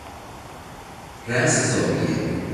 راس زاویه